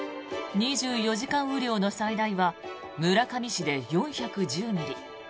２４時間雨量の最大は村上市で４１０ミリ